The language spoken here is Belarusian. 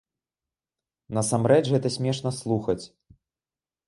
Насамрэч гэта смешна слухаць.